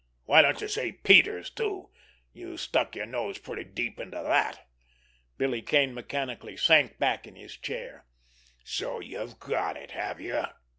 Why don't you say Peters, too? You stuck your nose pretty deep into that!" Billy Kane mechanically sank back in his chair. "So you've got it, have you?"